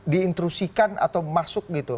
diintrusikan atau masuk gitu